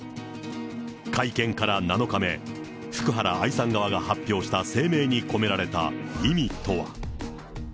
会見から７日目、福原愛さん側が発表した声明に込められた意味とは。